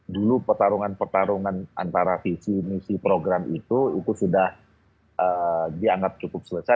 dulu pertarungan pertarungan antara visi misi program itu itu sudah dianggap cukup selesai